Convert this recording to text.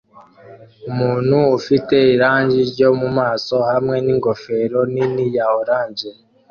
Umuntu ufite irangi ryo mumaso hamwe ningofero nini ya orange